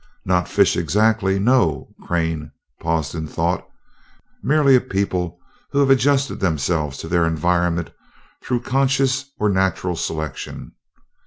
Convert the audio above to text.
"Not fish exactly, no." Crane paused in thought. "Merely a people who have adjusted themselves to their environment through conscious or natural selection.